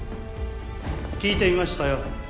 聞いていましたよ。